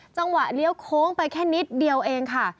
จังหวะเลี้ยวโค้งไปแค่นิดเดียวเองค่ะ